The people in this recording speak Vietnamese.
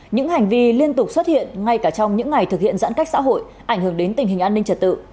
những hành vi liên tục xuất hiện ngay cả trong những ngày thực hiện giãn cách xã hội ảnh hưởng đến tình hình an ninh trật tự